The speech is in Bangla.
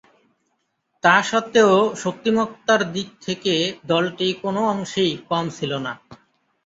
তাসত্ত্বেও শক্তিমত্তার দিক থেকে দলটি কোন অংশেই কম ছিল না।